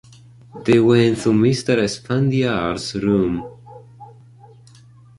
They went to Mr. Esfandiar's room.